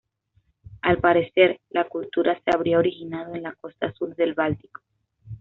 Al parecer, la cultura se habría originado en la costa sur del Báltico.